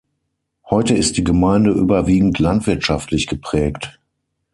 Heute ist die Gemeinde überwiegend landwirtschaftlich geprägt.